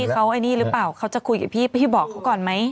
พี่เขาจะคุยกับพี่พี่บอกเขาก่อนไหม